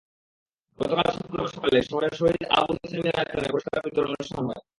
গতকাল শুক্রবার সকালে শহরের শহীদ আবুল হোসেন মিলনায়তনে পুরস্কার বিতরণ অনুষ্ঠান হয়।